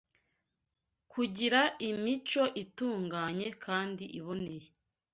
kugira imico itunganye kandi iboneye